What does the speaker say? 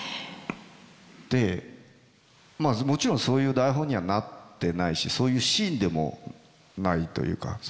でまあもちろんそういう台本にはなってないしそういうシーンでもないというか。